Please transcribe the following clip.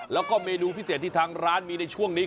แล้วก็เมนูพิเศษที่ทางร้านมีในช่วงนี้